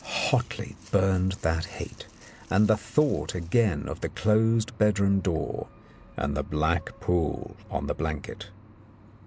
Hotly burned that hate, and he thought again of the closed bedroom door and the black pool on the blanket.